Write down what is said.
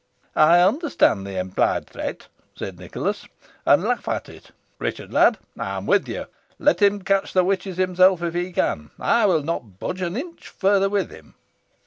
"I understand the implied threat," said Nicholas, "and laugh at it. Richard, lad, I am with you. Let him catch the witches himself, if he can. I will not budge an inch further with him."